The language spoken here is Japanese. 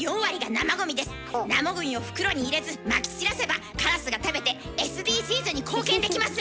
生ゴミを袋に入れずまき散らせばカラスが食べてＳＤＧｓに貢献できます！